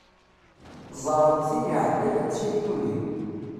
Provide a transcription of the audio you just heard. Ẓẓaren tin iɛeddan d tin yulin.